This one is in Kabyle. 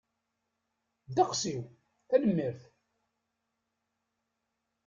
Ddeqs-iw, tanemmirt.